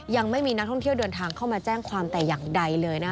ยังไม่มีนักท่องเที่ยวเดินทางเข้ามาแจ้งความแต่อย่างใดเลยนะคะ